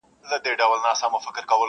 د بهار په انتظار یو ګوندي راسي -